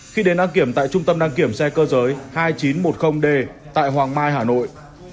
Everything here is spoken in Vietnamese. khi đến đăng kiểm tại trung tâm đăng kiểm xe cơ giới hai nghìn chín trăm một mươi d tại hoàng mai hà nội